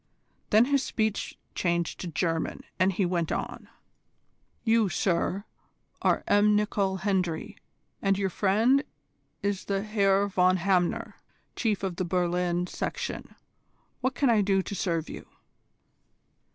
Then his speech changed to German, and he went on: "You, sir, are M. Nicol Hendry, and your friend is the Herr von Hamner, Chief of the Berlin Section. What can I do to serve you?"